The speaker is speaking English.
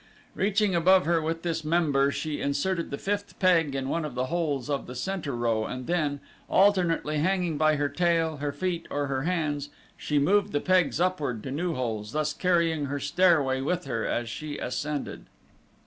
Reaching above her with this member she inserted the fifth peg in one of the holes of the center row and then, alternately hanging by her tail, her feet, or her hands, she moved the pegs upward to new holes, thus carrying her stairway with her as she ascended.